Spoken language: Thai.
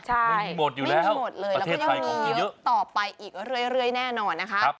ใช่ไม่หมดเลยแล้วก็ยังมีต่อไปอีกเรื่อยแน่นอนนะครับ